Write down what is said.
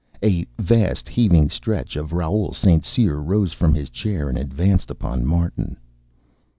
A vast, heaving stretch of Raoul St. Cyr rose from his chair and advanced upon Martin.